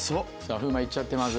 風磨行っちゃってまず。